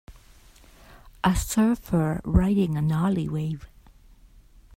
a surfer riding a gnarly wave